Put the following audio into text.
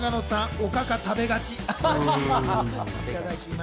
おかか食べがち。